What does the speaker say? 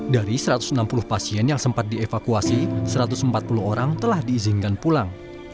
dari satu ratus enam puluh pasien yang sempat dievakuasi satu ratus empat puluh orang telah diizinkan pulang